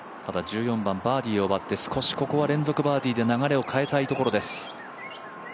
１４番バーディーを奪って少しここは連続バーディーで流れを変えたいところです。